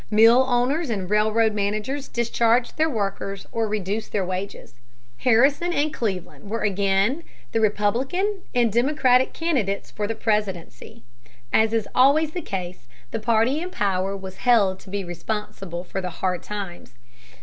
Mill owners and railroad managers discharged their workers or reduced their wages. Harrison and Cleveland were again the Republican and Democratic candidates for the presidency. As is always the case, the party in power was held to be responsible for the hard times.